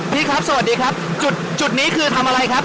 พี่ครับสวัสดีครับจุดนี้คือทำอะไรครับ